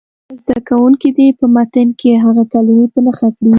زده کوونکي دې په متن کې هغه کلمې په نښه کړي.